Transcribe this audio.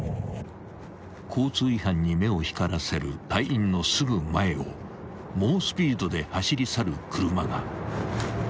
［交通違反に目を光らせる隊員のすぐ前を猛スピードで走り去る車が］